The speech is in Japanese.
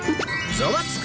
『ザワつく！